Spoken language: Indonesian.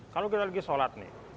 kalau kita lagi sholat nih